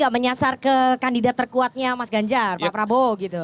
menyasar ke kandidat terkuatnya mas ganjar pak prabowo gitu